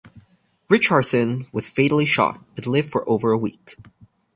Richarson was fatally shot, but lived for over a week.